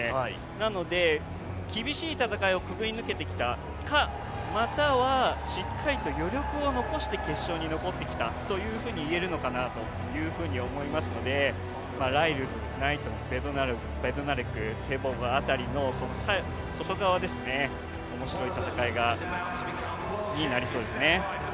なので、厳しい戦いをくぐり抜けてきたか、またはしっかりと余力を残して決勝に残ってきたというふうに言えるのかなと思いますので、ライルズ、ナイトン、ベドナレク、テボゴ辺りの外側ですね、面白い戦いになりそうですね。